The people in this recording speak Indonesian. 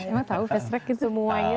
emang tahu fast track gitu semuanya